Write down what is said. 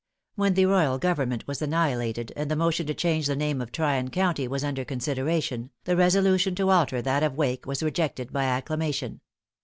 When the royal government was annihilated, and the motion to change the name of Tryon County was under consideration, the resolution to alter that of Wake was rejected by acclamation.